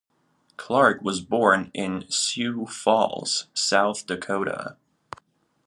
Clark was born in Sioux Falls, South Dakota.